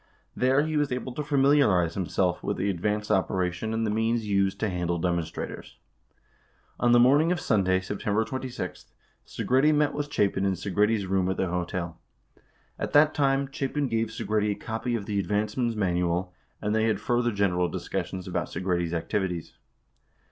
19 There he was able to familiarize himself with the advance operation and the means used to handle demonstratrators. 20 On the morning of Sunday, September 26, Segretti met with Cha pin in Segretti's room at the hotel. At that time, Chapin gave Se gretti a copy of the Advanceman's Manual, and they had further gen eral discussions about Segretti's activities.